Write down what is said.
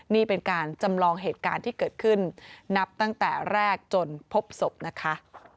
นี่เป็นการจำลองเหตุการณ์ที่เกิดขึ้นนับตั้งแต่แรกจนพบศพนะคะ